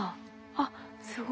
あっすごい。